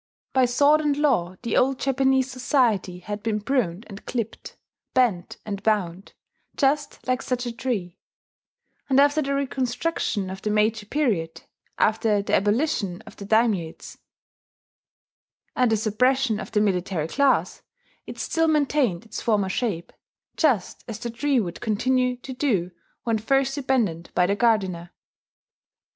By sword and law the old Japanese society had been pruned and clipped, bent and bound, just like such a tree; and after the reconstructions of the Meiji period, after the abolition of the daimiates, and the suppression of the military class, it still maintained its former shape, just as the tree would continue to do when first abandoned by the gardener.